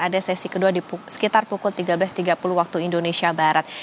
ada sesi kedua di sekitar pukul tiga belas tiga puluh waktu indonesia barat